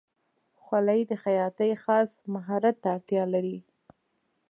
خولۍ د خیاطۍ خاص مهارت ته اړتیا لري.